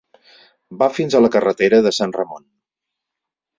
Va fins a la carretera de Sant Ramon.